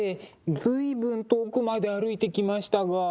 随分遠くまで歩いてきましたが。